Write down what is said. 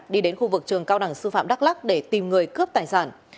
đi đến khu vực trường cao đẳng sư phạm đắk lắc để tìm người cướp tài sản